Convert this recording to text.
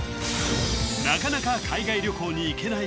なかなか海外旅行に行けない